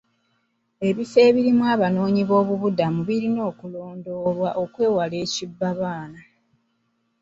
Ebifo ebirimu abanoonyiboobubudamu birina okulondoolwa okwewala ekibbabaana.